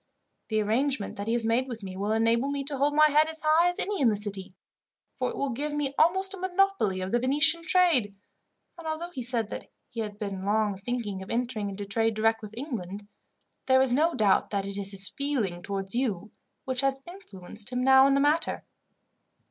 The arrangement that he has made with me, will enable me to hold my head as high as any in the City, for it will give me almost a monopoly of the Venetian trade; and although he said that he had long been thinking of entering into trade direct with England, there is no doubt that it is his feeling towards you, which has influenced him now in the matter.